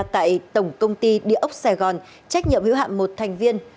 tại tổng công ty địa ốc sài gòn trách nhiệm hữu hạm một thành viên